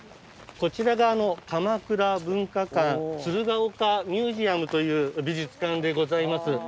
こちらがあの鎌倉文華館鶴岡ミュージアムという美術館でございます。